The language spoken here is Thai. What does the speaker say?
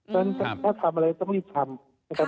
ถ้าทำอะไรต้องรีบทำ